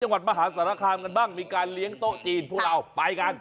จังหวัดประหลาดสารคลามกันบ้างมีการเลี้ยงโต๊ะจีนพวกเราไปกัน